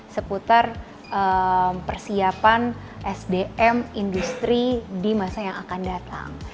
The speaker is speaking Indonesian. seputar persiapan sdm industri di masa yang akan datang